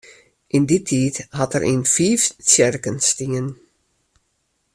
Yn dy tiid hat er yn fiif tsjerken stien.